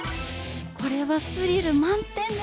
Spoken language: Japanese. これはスリル満点ですね！